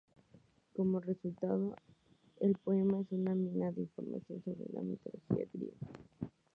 Como resultado, el poema es una mina de información sobre la mitología griega.